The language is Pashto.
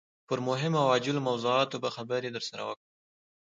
پر مهمو او عاجلو موضوعاتو به خبرې درسره وکړي.